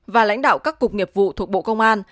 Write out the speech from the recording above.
và lãnh đạo các cục nghiệp vụ thuộc bộ công an